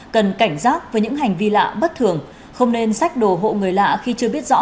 cần cảnh giác với những hành vi lạ bất thường không nên sách đồ hộ người lạ khi chưa biết rõ